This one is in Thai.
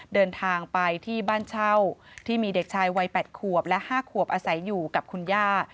เดินทางไปที่บ้านเช่าที่มีเด็กชายวัย๘ขวบและ๕ขวบอาศัยอยู่กับคุณย่า